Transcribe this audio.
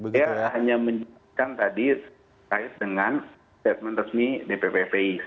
dia hanya menjelaskan tadi terkait dengan resmi dpppi